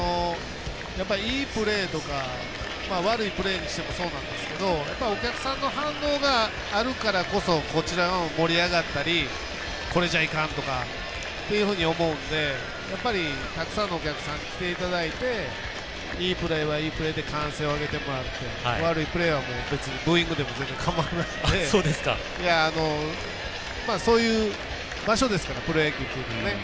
いいプレーとか悪いプレーにしてもそうなんですけどやっぱりお客さんの反応があるからこそこちらも盛り上がったりこれじゃいかん！とか思うのでやっぱりたくさんのお客さんに来ていただいていいプレーはいいプレーで歓声を上げてもらって悪いプレーはブーイングでも全然かまわないのでそういう場所ですからプロ野球というのはね。